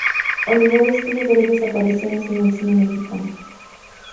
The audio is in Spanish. Olivares tuvo breves apariciones en el cine mexicano.